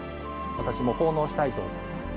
私も奉納したいと思います。